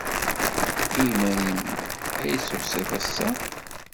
I yiman-nnem ay d-tusid ass-a?